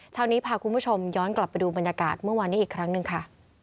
เช้านี้พาคุณผู้ชมย้อนกลับไปดูบรรยากาศเมื่อวานนี้อีกครั้งหนึ่งค่ะ